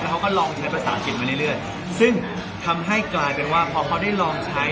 เขาก็ลองใช้ภาษาอังกฤษมาเรื่อยซึ่งทำให้กลายเป็นว่าพอเขาได้ลองใช้